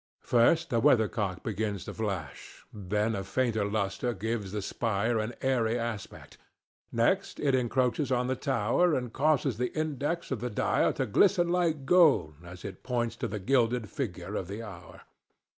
First the weathercock begins to flash; then a fainter lustre gives the spire an airy aspect; next it encroaches on the tower and causes the index of the dial to glisten like gold as it points to the gilded figure of the hour.